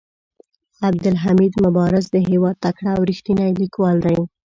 عبدالحمید مبارز د هيواد تکړه او ريښتيني ليکوال دي.